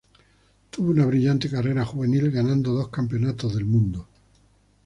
Tuvo una brillante carrera juvenil, ganando dos campeonatos del mundo.